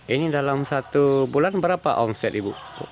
ini dalam satu bulan berapa omset ibu